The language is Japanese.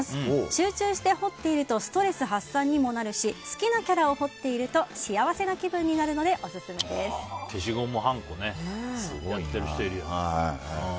集中して彫っているとストレス発散にもなるし好きなキャラを彫っていると幸せな気分になるので消しゴムはんこねやってる人いるよね。